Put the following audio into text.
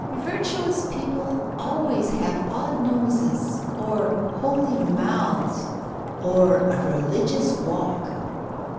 Virtuous people always have odd noses, or holy mouths, or a religious walk.